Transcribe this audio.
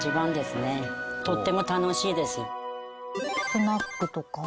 スナックとか？